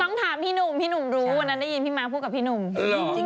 ต้องถามพี่หนุ่มพี่หนุ่มรู้วันนั้นได้ยินพี่ม้าพูดกับพี่หนุ่ม